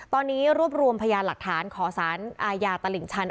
ตอนนี้รวบรวมพยานหลักฐานขอสารอาญาตลิ่งชัน